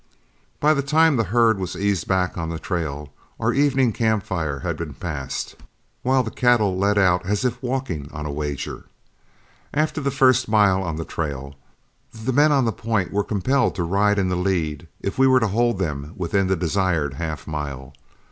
By the time the herd was eased back on the trail, our evening camp fire had been passed, while the cattle led out as if walking on a wager. After the first mile on the trail, the men on the point were compelled to ride in the lead if we were to hold them within the desired half mile.